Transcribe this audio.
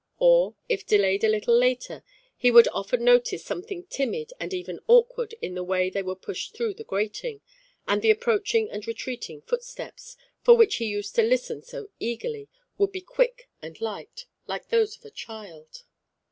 Or, it delayed a little later, he would often notice something timid and even awkward in the way they were pushed through the grating, and the approaching and retreating footsteps, for which he used to listen so eagerly, would be quick and light, like those of a child.